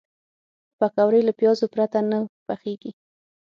پکورې له پیازو پرته نه پخېږي